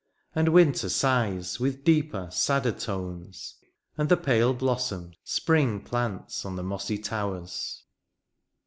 And winter sighs with deeper, sadder tones. And the pale blossom, spring plants on the mossy towers.